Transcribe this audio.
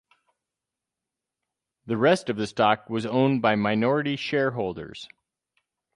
The rest of the stock was owned by minority shareholders.